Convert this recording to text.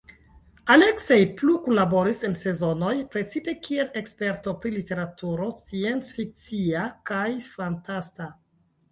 Aleksej plu kunlaboris en Sezonoj, precipe kiel eksperto pri literaturo scienc-fikcia kaj fantasta.